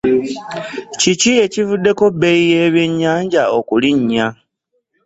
Kiki ekivuddeko bbeeyi byennyanja okulinya?